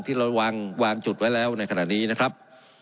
ที่เราวางจุดไว้แล้วในขณะนี้นะครับ